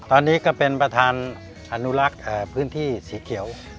ตอนนี้ก็เป็นประธานอนุรักษ์พื้นที่สีเขียว